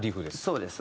そうです。